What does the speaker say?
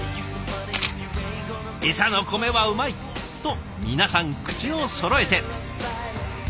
「伊佐の米はうまい！」と皆さん口をそろえて。